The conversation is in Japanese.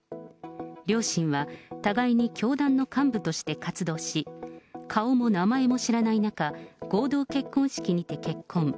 両親は互いに教団の幹部として活動し、顔も名前も知らない中、合同結婚式にて結婚。